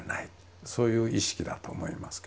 そういう意識だと思いますけどね。